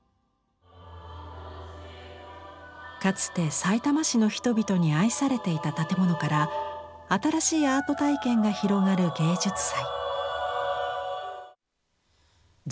かつてさいたま市の人々に愛されていた建物から新しいアート体験が広がる芸術祭。